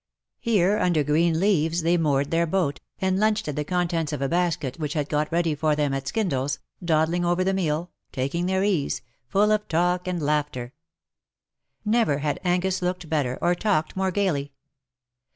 Here, under green leaves, they moored their boat, and lunched on the contents of a basket which had been got ready for them at Skindle's — dawdling over the meal — taking their ease — full of talk and laughter. Never had Angus looked better, or talked m.ore gaily.